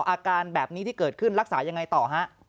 อาการแบบนี้ที่เกิดขึ้นรักษายังไงต่อฮะ